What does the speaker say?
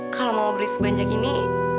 kalau mau beli sebanyak ini